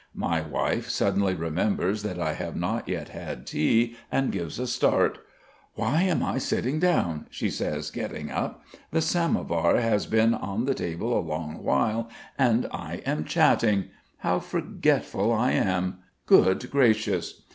My wife suddenly remembers that I have not yet had tea, and gives a start: "Why am I sitting down?" she says, getting up. "The samovar has been on the table a long while, and I sit chatting. How forgetful I am? Good gracious!"